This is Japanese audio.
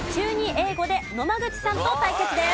英語で野間口さんと対決です。